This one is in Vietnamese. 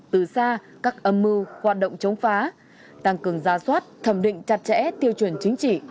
từ xa các âm mưu hoạt động chống phá tăng cường gia soát thẩm định chặt chẽ tiêu chuẩn chính trị